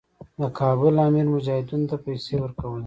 د کابل امیر مجاهدینو ته پیسې ورکولې.